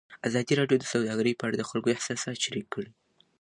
ازادي راډیو د سوداګري په اړه د خلکو احساسات شریک کړي.